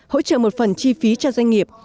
hỗ trợ một phần chi phí cho doanh nghiệp